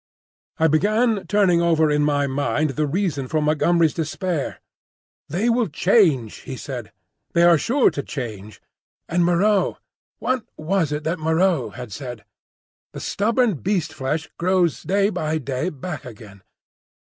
I began turning over in my mind the reason of Montgomery's despair. "They will change," he said; "they are sure to change." And Moreau, what was it that Moreau had said? "The stubborn beast flesh grows day by day back again."